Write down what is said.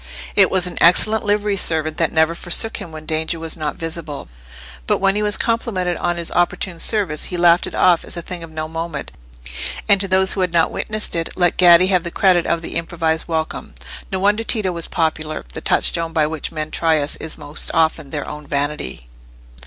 It was an excellent livery servant that never forsook him when danger was not visible. But when he was complimented on his opportune service, he laughed it off as a thing of no moment, and to those who had not witnessed it, let Gaddi have the credit of the improvised welcome. No wonder Tito was popular: the touchstone by which men try us is most often their own vanity.